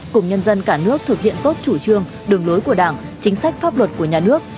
cùng nhân dân cả nước thực hiện tốt chủ trương đường lối của đảng chính sách pháp luật của nhà nước